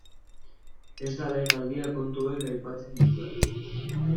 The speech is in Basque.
Ez da lehen aldia kontu hauek aipatzen ditudana.